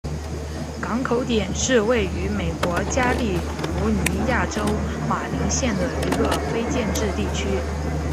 港口点是位于美国加利福尼亚州马林县的一个非建制地区。